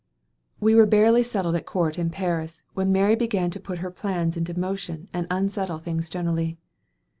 We were barely settled at court in Paris when Mary began to put her plans in motion and unsettle things generally.